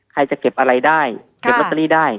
ใครจะเก็บอะไรได้เก็บลอตเตอรี่ได้